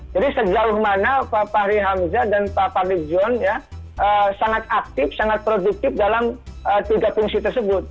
jadi sejauh mana fahri hamzah dan fadli zon sangat aktif sangat produktif dalam tiga fungsi tersebut